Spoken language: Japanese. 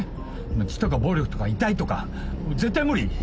血とか暴力とか痛いとか絶対無理！